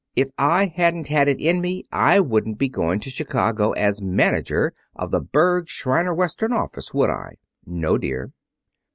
If I hadn't had it in me I wouldn't be going to Chicago as manager of the Berg, Shriner Western office, would I?" "No, dear."